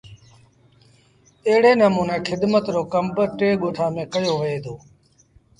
ايڙي نموني کدمت رو ڪم با ٽي ڳوٺآݩ ميݩ ڪيو وهيٚتو۔